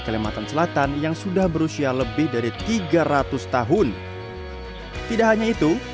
kalimantan selatan yang sudah berusia lebih dari tiga ratus tahun tidak hanya itu